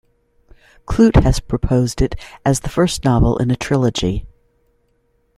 Clute has proposed it as the first novel in a trilogy.